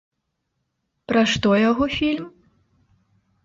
Пра што яго фільм?